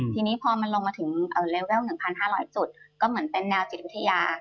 ทีนี้พอมันลงมาถึงเลเวล๑๕๐๐จุดก็เหมือนเป็นแนวจิตวิทยา